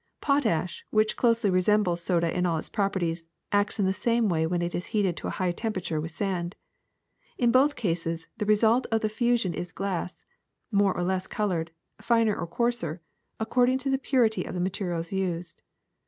Potash, which closely resembles soda in all its properties, acts in the same way when it is heated to a high temperature with sand. In both cases the result of the fusion is glass, more or less colored, finer or coarser, according to the purity of the ma terials used.